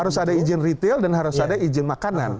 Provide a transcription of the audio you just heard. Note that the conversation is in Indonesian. harus ada izin retail dan harus ada izin makanan